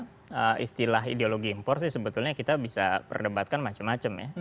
kalau istilah ideologi impor sih sebetulnya kita bisa perdebatkan macam macam ya